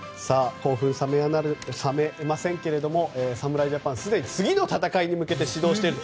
興奮冷めませんけども侍ジャパン、すでに次の戦いに向けて始動している。